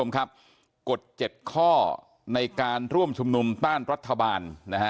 กฎ๗ข้อในการร่วมชุมนุมต้านรัฐบาล